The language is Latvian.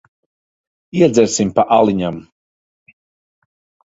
Iedzersim pa aliņam.